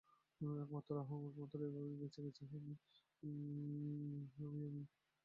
একমাত্র এভাবেই বেঁচে গেছি আমি।